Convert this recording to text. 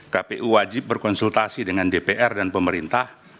kpu wajib berkonsultasi dengan dpr dan pemerintah